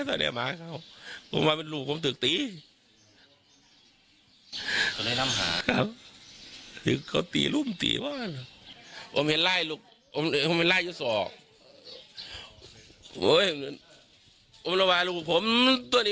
ผมก็เย็นให้ว่าน่าบ้านเครื่องเหลียวไปมาเพื่อนก็เห็นกบอป้าโตด้วยไปกว้างถนน